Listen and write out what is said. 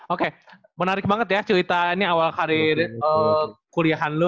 oke menarik banget ya cerita ini awal hari kuliahan lo